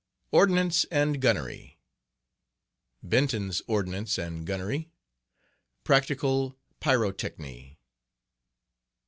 Ordnance and Gunnery......Benton's Ordnance and Gunnery. Practical Pyrotechny.